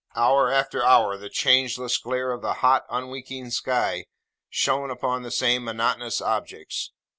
Hour after hour, the changeless glare of the hot, unwinking sky, shone upon the same monotonous objects.